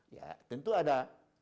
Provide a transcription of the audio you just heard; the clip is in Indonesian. ya tentu ada